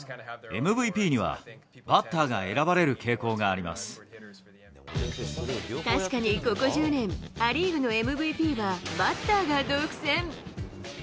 ＭＶＰにはバッターが選ばれる傾確かにここ１０年、ア・リーグのＭＶＰはバッターが独占。